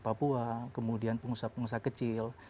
papua kemudian pengusaha pengusaha kecil